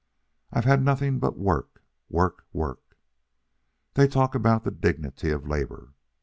I've had nothing but work, work, work. They talk about the dignity of labor.